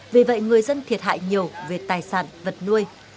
vì vậy người dân thiệt hại nhiều về tài sản vật nuôi